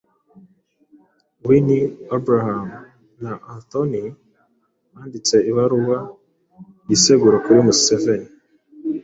Winnie, Abraham na Anthony banditse ibaruwa yisegura kuri Museveni